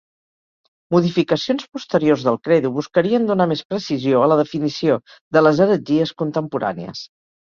Modificacions posteriors del credo buscarien donar més precisió a la definició de les heretgies contemporànies.